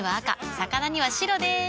魚には白でーす。